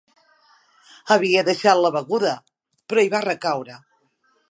Havia deixat la beguda, però hi va recaure.